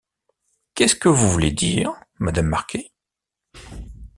Qu’est-ce que vous voulez dire, Madame Marquet…